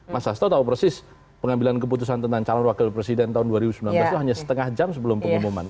mas hasto tahu persis pengambilan keputusan tentang calon wakil presiden tahun dua ribu sembilan belas itu hanya setengah jam sebelum pengumuman